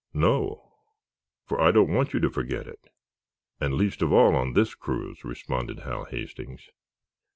"No; for I don't want you to forget it, and least of all on this cruise," responded Hal Hastings.